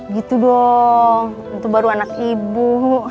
gitu dong untuk baru anak ibu